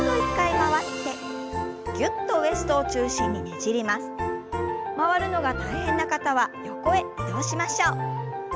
回るのが大変な方は横へ移動しましょう。